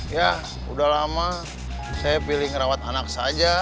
ya udah lama saya pilih ngerawat anak saja